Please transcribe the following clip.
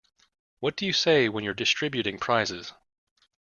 What do you say when you're distributing prizes?